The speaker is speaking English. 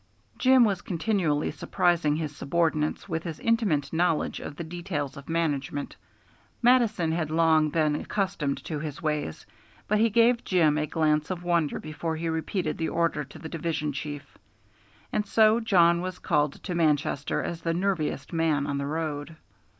Jim was continually surprising his subordinates with his intimate knowledge of the details of management. Mattison had long been accustomed to his ways, but he gave Jim a glance of wonder before he repeated the order to the division chief. And so Jawn was called to Manchester as the nerviest man on the road.